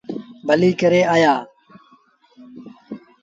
ڀليٚ ڪري آيآ۔